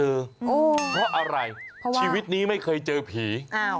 เพราะอะไรเพราะชีวิตนี้ไม่เคยเจอผี